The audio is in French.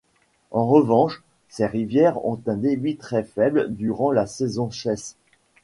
En revanche, ces rivières ont un débit très faible durant la saison sèche.